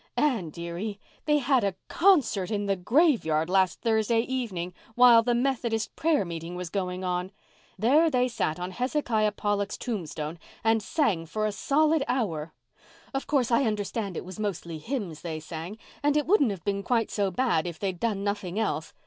"Anne dearie, they had a concert in the graveyard last Thursday evening, while the Methodist prayer meeting was going on. There they sat, on Hezekiah Pollock's tombstone, and sang for a solid hour. Of course, I understand it was mostly hymns they sang, and it wouldn't have been quite so bad if they'd done nothing else.